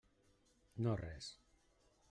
No res.